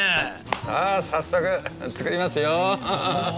さあ早速作りますよ。